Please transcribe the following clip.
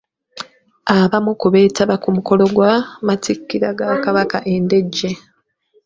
Abamu ku beetaba ku mukolo gw'amatikkira ga Kabaka e Ndejje.